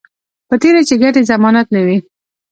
په تېره چې ګټې ضمانت نه وي